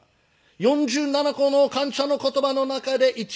４７個の感謝の言葉の中で一番下。